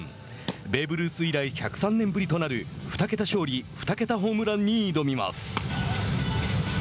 ベーブ・ルース以来１０３年ぶりとなる２桁勝利、２桁ホームランに挑みます。